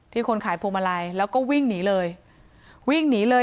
คนขายพวงมาลัยแล้วก็วิ่งหนีเลยวิ่งหนีเลย